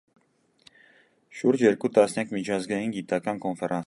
Շուրջ երկու տասնյակ միջազգային գիտական կոնֆերանսների և աշխատաժողովների մասնակից է։